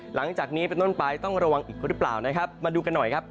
หลังจากนี้เป็นต้นไปต้องระวังอีกหรือเปล่านะครับมาดูกันหน่อยครับ